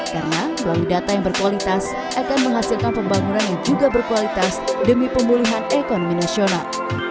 karena melalui data yang berkualitas akan menghasilkan pembangunan yang juga berkualitas demi pemulihan ekonomi nasional